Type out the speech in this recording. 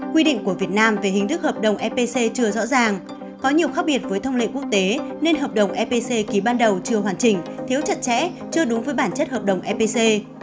quy định của việt nam về hình thức hợp đồng epc chưa rõ ràng có nhiều khác biệt với thông lệ quốc tế nên hợp đồng epc ký ban đầu chưa hoàn chỉnh thiếu chặt chẽ chưa đúng với bản chất hợp đồng epc